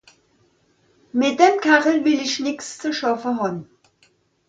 Mìt dem Kerl wìll ìch nìx ze schàffe hàn.